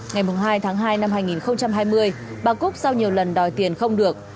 ngày hai tháng hai năm hai nghìn hai mươi bà cúc sau nhiều lần đòi tiền không được